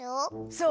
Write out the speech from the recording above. そう！